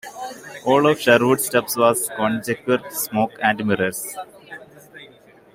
All of Sherwood's stuff was conjecture, smoke and mirrors.